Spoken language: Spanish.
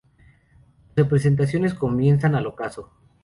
Las representaciones comienzan al ocaso.